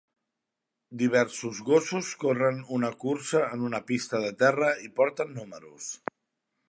Diversos gossos corren una cursa en una pista de terra i porten números.